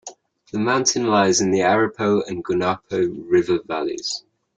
The mountain lies in the Aripo and Guanapo river valleys.